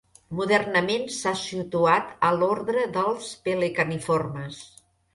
Modernament s'ha situat a l'ordre dels pelecaniformes.